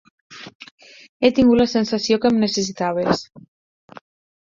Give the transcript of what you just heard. He tingut la sensació que em necessitaves.